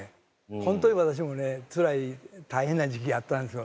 本当に私もねつらい大変な時期があったんですよ。